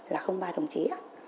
là không ba đồng chí